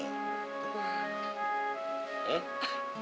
jangan kita nyari pikiran jernih